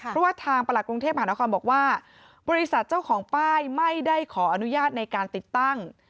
เพราะว่าทางประหลักกรุงเทพหานครบอกว่าบริษัทเจ้าของป้ายไม่ได้ขออนุญาตในการติดตั้ง